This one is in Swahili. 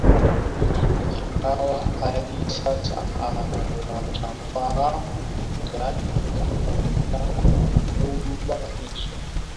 ingawa hadi sasa hawajafahamu idadi kamili ya nyumba hizo